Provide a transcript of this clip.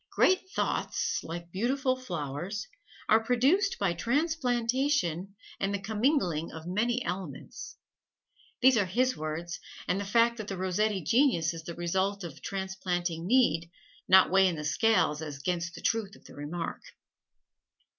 "Great thoughts, like beautiful flowers, are produced by transplantation and the commingling of many elements." These are his words, and the fact that the Rossetti genius is the result of transplanting need not weigh in the scale as 'gainst the truth of the remark.